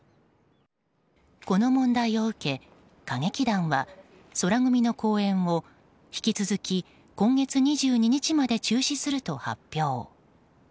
この問題を受け、歌劇団は宙組の公演を引き続き今月２２日まで中止すると発表。